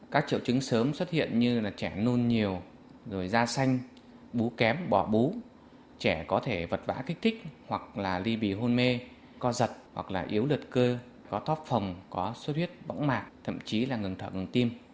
các triệu chứng sớm xuất hiện như là trẻ nôn nhiều rồi da xanh bú kém bỏ bú trẻ có thể vật vã kích thích hoặc là ly bì hôn mê co giật hoặc là yếu lợt cơ có toát phòng có sốt huyết bóng mạc thậm chí là ngừng thở ngần tim